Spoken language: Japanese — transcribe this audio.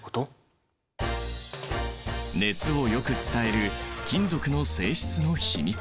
熱をよく伝える金属の性質の秘密。